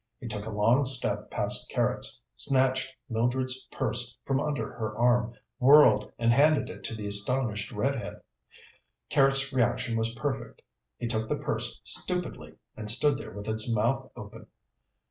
He took a long step past Carrots, snatched Mildred's purse from under her arm, whirled, and handed it to the astonished redhead. Carrots' reaction was perfect. He took the purse stupidly and stood there with his mouth open.